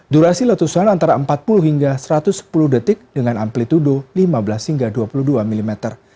durasi letusan antara empat puluh hingga satu ratus sepuluh detik dengan amplitude lima belas hingga dua puluh dua mm